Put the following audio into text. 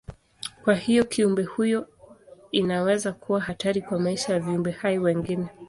Kwa hivyo kiumbe huyu inaweza kuwa hatari kwa maisha ya viumbe hai wengine.